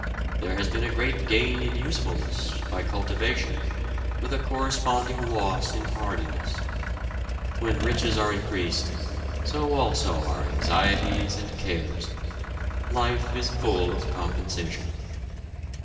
There has been a great gain in usefulness, by cultivation, with a corresponding loss in hardiness. When riches are increased, so also are anxieties and cares. Life is full of compensation.